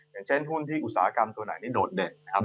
อย่างเช่นหุ้นที่อุตสาหกรรมตัวไหนนี่โดดเด่นนะครับ